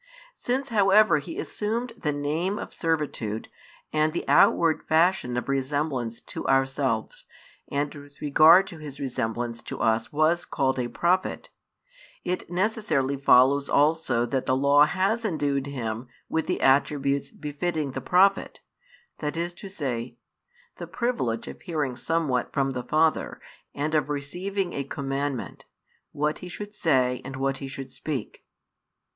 Since however He assumed the name of servitude and the outward fashion of resemblance to ourselves and with regard to His resemblance to us was called a Prophet, it necessarily follows also that the Law has endued Him with the attributes befitting the prophet, that is to say, the privilege of hearing somewhat from the Father and of receiving a commandment, what He should say and what He should speak.